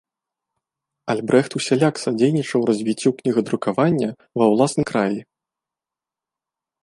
Альбрэхт усяляк садзейнічаў развіццю кнігадрукавання ва ўласным краі.